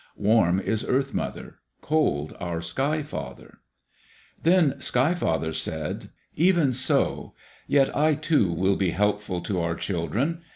Warm is Earth mother, cold our Sky father. Then Sky father said, "Even so. Yet I, too, will be helpful to our children."